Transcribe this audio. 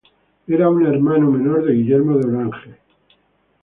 Era un hermano menor de Guillermo de Orange.